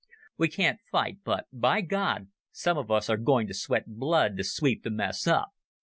We can't fight, but, by God! some of us are going to sweat blood to sweep the mess up.